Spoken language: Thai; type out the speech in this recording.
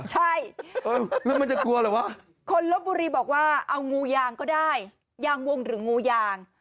ใช่แล้วมันจะกลัวเหรอวะคนลบบุรีบอกว่าเอางูยางก็ได้ยางวงหรืองูยาง